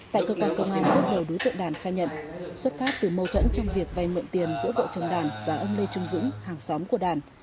tại cơ quan công an bước đầu đối tượng đản khai nhận xuất phát từ mâu thuẫn trong việc vây mượn tiền giữa vợ chồng đản và ông lê trung dũng hàng xóm của đản